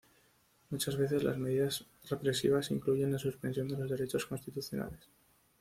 Muchas veces las medidas represivas incluyen la suspensión de los derechos constitucionales.